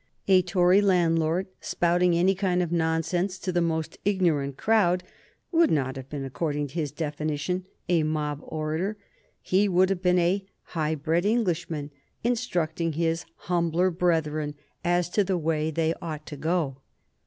A Tory landlord spouting any kind of nonsense to the most ignorant crowd would not have been, according to this definition, a mob orator; he would have been a high bred Englishman, instructing his humbler brethren as to the way they ought to go.